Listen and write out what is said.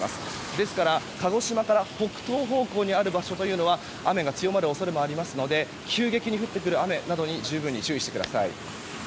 ですから、鹿児島から北東方向にある場所というのは雨が強まる恐れもあるので急激に降ってくる雨などに十分に注意してください。